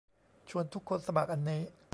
ชวนทุกคนสมัครอันนี้